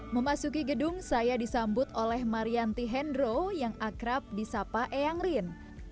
memasuki gedung saya disambut oleh marianti hendro yang akrab di sapa eyanglin